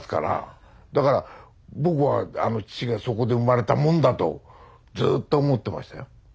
だから僕は父がそこで生まれたもんだとずっと思ってましたよ。